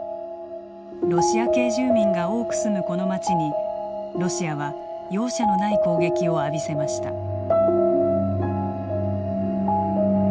ロシア系住民が多く住むこの街にロシアは容赦のない攻撃を浴びせました。